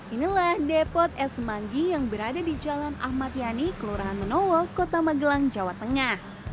inilah depot es semanggi yang berada di jalan ahmad yani kelurahan menowo kota magelang jawa tengah